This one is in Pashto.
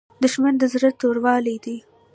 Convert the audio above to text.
دښمن د زړه توروالی دی